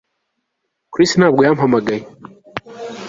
Chris ntabwo yampamagaye